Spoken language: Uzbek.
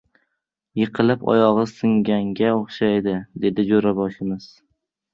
— Yiqilib oyog‘i singanga o‘xshaydi, — dedi jo‘raboshimiz.